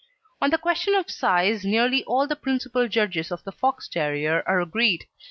On the question of size nearly all the principal judges of the Fox terrier are agreed.